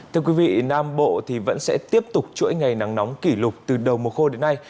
thưa quý vị nam bộ thì vẫn sẽ tiếp tục chuỗi ngày nắng nóng kỷ lục từ đầu mùa khô đến nay